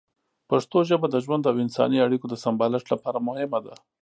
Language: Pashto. پښتو ژبه د ژوند او انساني اړیکو د سمبالښت لپاره مهمه ده.